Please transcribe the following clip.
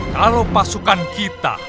kalau pasukan kita